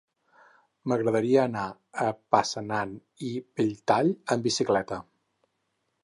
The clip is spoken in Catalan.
M'agradaria anar a Passanant i Belltall amb bicicleta.